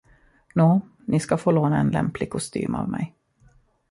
Nå, ni ska få låna en lämplig kostym av mig.